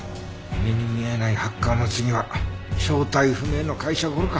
目に見えないハッカーの次は正体不明の会社ゴロか。